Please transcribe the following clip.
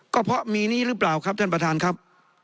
ก็เพราะมีนี้หรือเปล่าครับท่านประธานครับ